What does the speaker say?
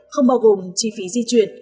không bao gồm chi phí di chuyển